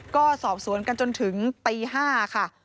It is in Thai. ก็สอบสวนกันจนถึงตี๕ค่ะ